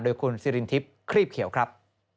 โดยคุณสิรินทิพย์ครีบเขียวครับ